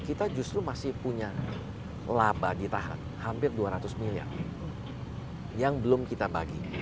kita justru masih punya laba ditahan hampir dua ratus miliar yang belum kita bagi